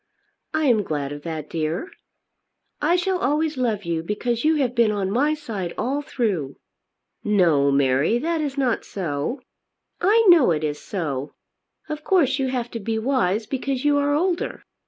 "I am glad of that, dear." "I shall always love you, because you have been on my side all through." "No, Mary; that is not so." "I know it is so. Of course you have to be wise because you are older.